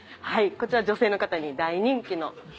こちら女性の方に大人気のお部屋で。